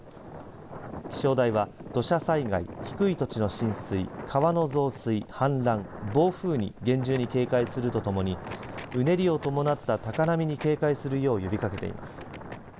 気象台は土砂災害低い土地の浸水、川の増水、氾濫、暴風に厳重に警戒するとともにうねりを伴った高波に警戒するよう呼びかけています。